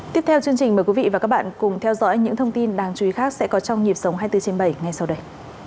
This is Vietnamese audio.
tiếp theo chương trình mời quý vị và các bạn cùng theo dõi những thông tin đáng chú ý khác sẽ có trong nhịp sống hai mươi bốn trên bảy ngay sau đây